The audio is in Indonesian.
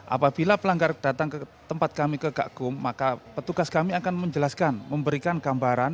apabila pelanggar datang ke tempat kami ke gakum maka petugas kami akan menjelaskan memberikan gambaran